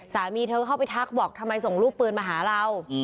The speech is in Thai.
สามีเธอเข้าไปทักบอกทำไมส่งรูปปืนมาหาเรา